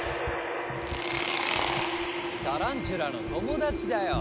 タランチュラの友達だよ。